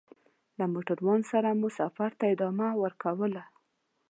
له موټروان سره مو سفر ته ادامه ورکوله.